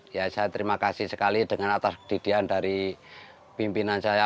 ya saya terima kasih sekali dengan atas didian dari pimpinan saya